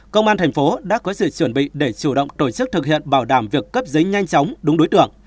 công an thành phố đã có sự chuẩn bị để chủ động tổ chức thực hiện bảo đảm việc cấp giấy nhanh chóng đúng đối tượng